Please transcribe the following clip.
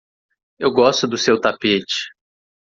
Eu gosto do seu tapete.